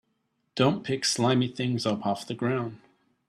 Don't pick slimy things up off the ground.